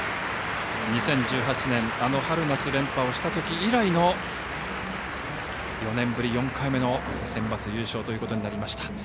２０１８年あの春夏連覇をしたとき以来の４年ぶり４回目のセンバツ優勝ということになりました。